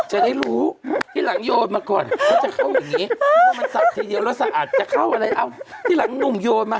หลังหนุ่มโยนมา